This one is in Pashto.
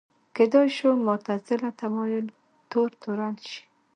کېدای شو معتزله تمایل تور تورن شي